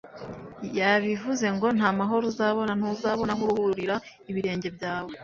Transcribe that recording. yabivuze ngo: "Nta mahoro uzabona, ntuzabona aho uruhurira ibirenge byawe;